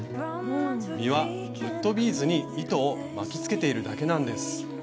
実はウッドビーズに糸を巻きつけているだけなんです！